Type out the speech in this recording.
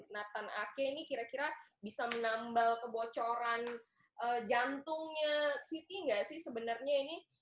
nathan ake ini kira kira bisa menambal kebocoran jantungnya siti nggak sih sebenarnya ini